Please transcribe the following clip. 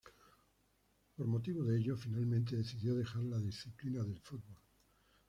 Por motivo de ello, finalmente decidió dejar la disciplina del fútbol.